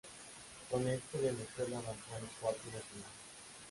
Con esto Venezuela avanzó a los cuartos de final.